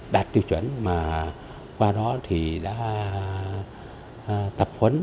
đạt tiêu chuẩn mà qua đó thì đã tập huấn